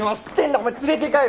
お前連れて帰る。